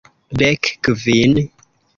Dek kvin!